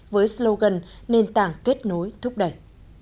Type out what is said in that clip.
với slogan nền tảng kết nối thúc đẩy